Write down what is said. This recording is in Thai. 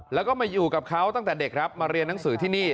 แล้วก็มาอยู่กับเขาตั้งแต่เด็กครับมาเรียนหนังสือที่นี่